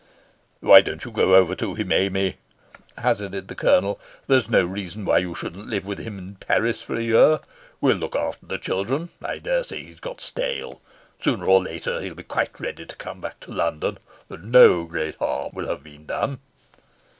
"Why don't you go over to him, Amy?" hazarded the Colonel. "There's no reason why you shouldn't live with him in Paris for a year. We'll look after the children. I dare say he'd got stale. Sooner or later he'll be quite ready to come back to London, and no great harm will have been done."